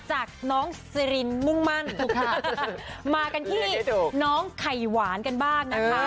จากน้องสิรินมุ่งมั่นมากันที่น้องไข่หวานกันบ้างนะคะ